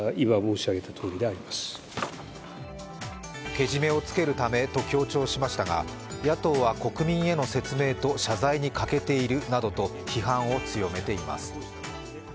けじめをつけるためと強調しましたが野党は国民への説明と謝罪に欠けているなどと批判を強めています。